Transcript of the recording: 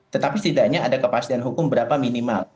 tetapi setidaknya ada kepastian hukum berapa minimal